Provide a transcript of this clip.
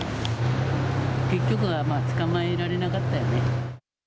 結局は捕まえられなかったよね。